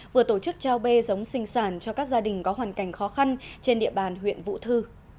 vừa tổ chức trao bê giống sinh sản cho các gia đình có hoàn cảnh khó khăn trên địa bàn huyện vụ thư